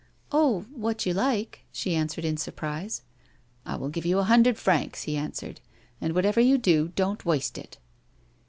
" Oh — what you like," she answered in surprise. " I will give you a hundred francs," he answered ;" and whatever you do, don't waste it."